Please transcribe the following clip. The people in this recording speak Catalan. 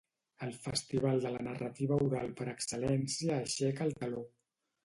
El festival de la narrativa oral per excel·lència aixeca el teló.